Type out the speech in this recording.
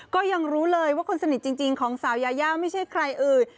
ก็ยังรู้เลยว่าคนสนิทจริงของสาวยายาไม่ใช่ใครอื่น